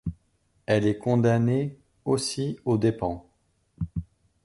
Elle est condamnée aussi aux dépens.